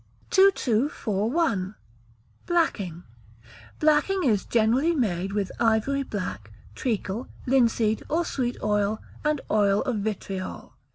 2241. Blacking. Blacking is generally made with ivory black, treacle, linseed, or sweet oil, and oil of vitriol.